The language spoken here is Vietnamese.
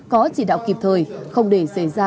có chỉ đạo kịp thời không để xảy ra